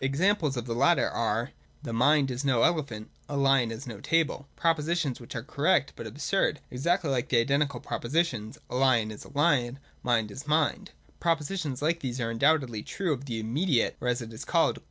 Examples of the latter are : 'The mind is no elephant:' ' A lion is no table ;' propositions which are correct but absurd, exactly like the identical propositions :' A lion is a lion ;'' Mind is mind.' Propositions like these are undoubtedly the truth of the immediate, or, as it is called.